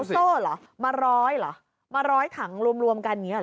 โซ่เหรอมาร้อยเหรอมาร้อยถังรวมกันอย่างนี้หรอ